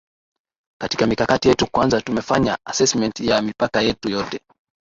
katika mikakati yetu kwanza tumefanya assessment ya mipaka yetu yote